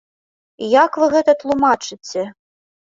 Як вы гэта тлумачыце?